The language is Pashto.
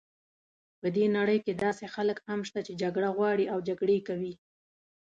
په دې نړۍ کې داسې خلک هم شته چې جګړه غواړي او جګړې کوي.